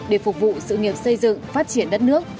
để phục vụ sự nghiệp xây dựng phát triển đất nước